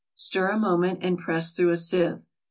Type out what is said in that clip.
Stir a moment, and press through a sieve.